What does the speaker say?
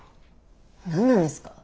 何なんですか。